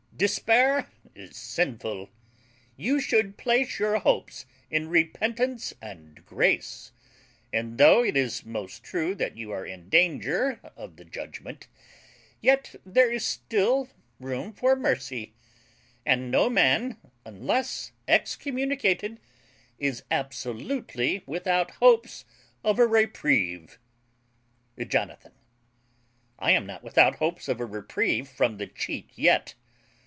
Despair is sinful. You should place your hopes in repentance and grace; and though it is most true that you are in danger of the judgment, yet there is still room for mercy; and no man, unless excommunicated, is absolutely without hopes of a reprieve. JONATHAN. I am not without hopes of a reprieve from the cheat yet.